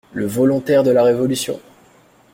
Le volontaire de la Révolution!